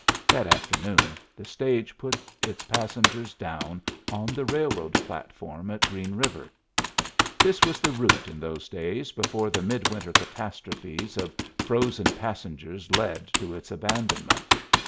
That afternoon the stage put its passengers down on the railroad platform at Green River; this was the route in those days before the mid winter catastrophes of frozen passengers led to its abandonment.